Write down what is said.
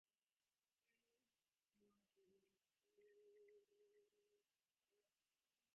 މިވަރުގެ މަންމައެއް މީހަކަށް ނުލިބޭނެ